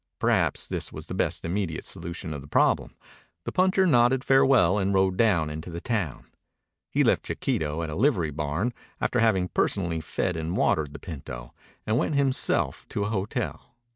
Perhaps this was the best immediate solution of the problem. The puncher nodded farewell and rode down into the town. He left Chiquito at a livery barn, after having personally fed and watered the pinto, and went himself to a hotel.